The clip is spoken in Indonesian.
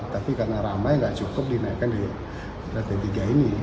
tapi karena ramai nggak cukup dinaikkan di rt tiga ini